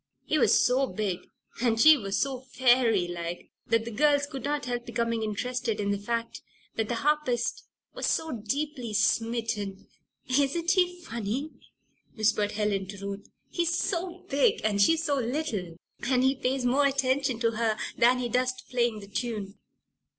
He was so big and she was so fairy like, that the girls could not help becoming interested in the fact that the harpist was so deeply "smitten." "Isn't he funny?" whispered Helen to Ruth. "He's so big and she's so little. And he pays more attention to her than he does to playing the tune."